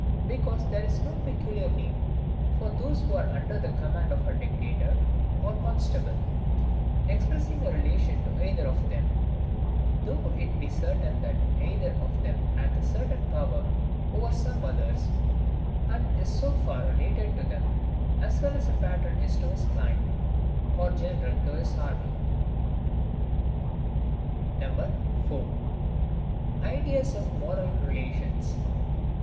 Because there is no peculiar name for those who are under the command of a dictator or constable, expressing a relation to either of them; though it be certain that either of them hath a certain power over some others, and so is so far related to them, as well as a patron is to his client, or general to his army. 4. Ideas of Moral relations.